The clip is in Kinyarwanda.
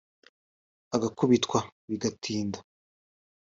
ugakubitwa bigatinda